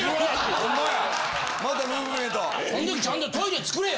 そんときちゃんとトイレつくれよ。